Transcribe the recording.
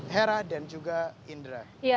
hera dan juga indra